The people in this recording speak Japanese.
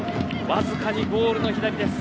わずかにゴールの左です。